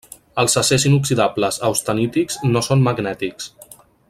Els acers inoxidables austenítics no són magnètics.